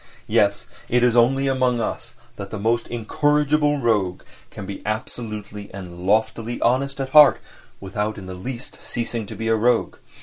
Yes, it is only among us that the most incorrigible rogue can be absolutely and loftily honest at heart without in the least ceasing to be a rogue.